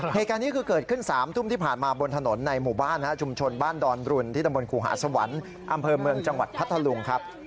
เหตุการณ์นี้คือเกิดขึ้น๓ทุ่มที่ผ่านมาบนถนนในหมู่บ้านชุมชนบ้านดอนรุนที่ตำบลครูหาสวรรค์อำเภอเมืองจังหวัดพัทธลุงครับ